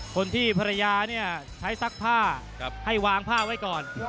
คนที่ภรรยาเนี่ยใช้ซักผ้าให้วางผ้าไว้ก่อน